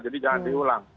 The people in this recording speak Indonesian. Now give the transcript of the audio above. jadi jangan diulang